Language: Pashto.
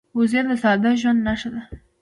وزې د ساده ژوند نښه ده